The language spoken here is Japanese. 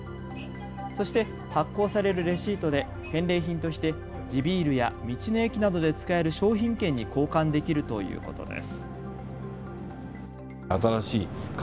そして、発行されるレシートで返礼品として地ビールや道の駅などで使える商品券に交換できるということです。